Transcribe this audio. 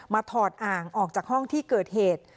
ถอดอ่างออกจากห้องที่เกิดเหตุ